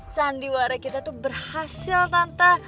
sandiwara kita tuh berhasil tantang